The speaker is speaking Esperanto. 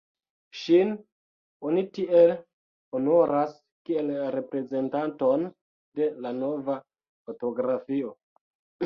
Ŝin oni tiel honoras kiel reprezentanton de la "Nova fotografio".